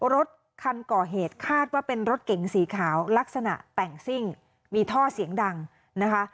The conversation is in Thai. รถคันก่อเหตุคาดว่าเป็นรถเก๋งสีขาวลักษณะแต่งซิ่งมีท่อเสียงดังนะคะ